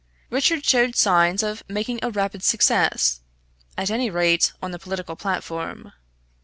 Richard showed signs of making a rapid success, at any rate on the political platform.